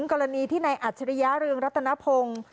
กรณีที่นายอัจฉริยะเรืองรัตนพงศ์